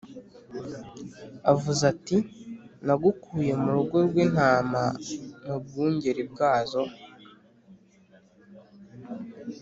avuze ati: Nagukuye mu rugo rw’intama mu bwungeri bwazo